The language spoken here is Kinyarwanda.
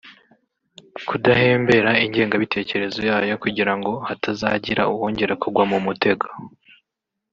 kudahembera ingengabitekerezo yayo kugira ngo hatazagira uwongera kugwa mu mutego